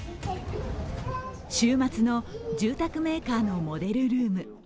週末の住宅メーカーのモデルルーム。